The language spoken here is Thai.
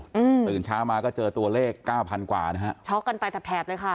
อืมตื่นเช้ามาก็เจอตัวเลขเก้าพันกว่านะฮะช็อกกันไปแถบแถบเลยค่ะ